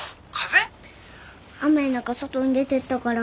雨の中外に出てったから。